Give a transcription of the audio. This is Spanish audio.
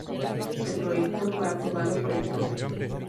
El proyecto fue aprobado por el Prof.